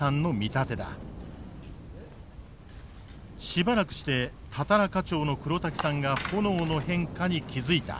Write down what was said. しばらくしてたたら課長の黒滝さんが炎の変化に気付いた。